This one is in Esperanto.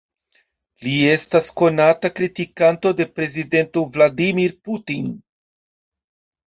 Li estas konata kritikanto de prezidento Vladimir Putin.